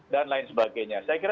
dan lain sebagainya saya kira